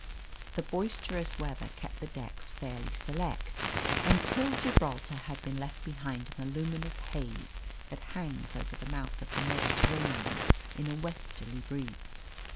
The boisterous weather kept the decks fairly select until Gibraltar had been left behind in the luminous haze that hangs over the mouth of the Mediterranean in a westerly breeze.